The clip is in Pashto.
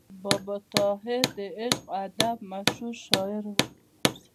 بابا طاهر د عشق او ادب مشهور شاعر و.